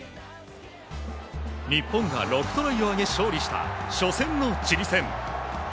日本が６トライを挙げ、勝利した初戦のチリ戦。